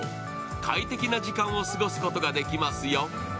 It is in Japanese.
快適な時間を過ごすことができますよ。